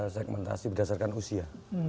segmentasi berdasarkan usia